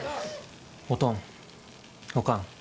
おとんおかん。